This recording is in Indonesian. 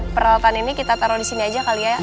peralatan ini kita taro disini aja kali ya